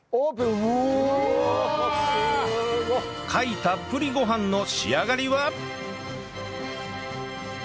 貝たっぷりご飯の仕上がりは？